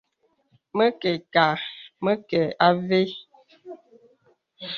Mə kə kâ , mə kə avə́.